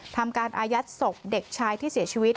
ทำการอายัดศพเด็กชายที่เสียชีวิต